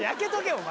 お前。